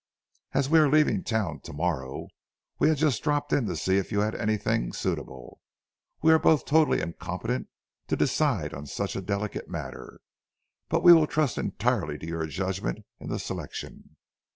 As we are leaving town to morrow, we have just dropped in to see if you have anything suitable. We are both totally incompetent to decide on such a delicate matter, but we will trust entirely to your judgment in the selection.'